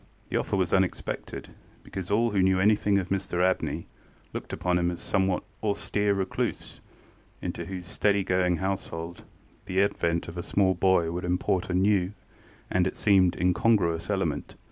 The offer was unexpected, because all who knew anything of Mr Abney looked upon him as a somewhat austere recluse, into whose steady going household the advent of a small boy would import a new and, it seemed, incongruous element.